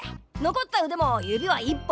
残った腕も指は１本。